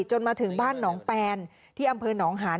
จนมาถึงบ้านหนองแปนที่อำเภอหนองหาน